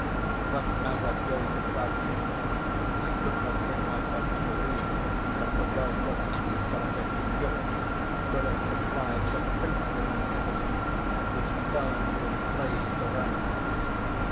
But as I gazed about me, I could not bring myself to believe that the wealth of any subject in Europe could have supplied the princely magnificence which burned and blazed around.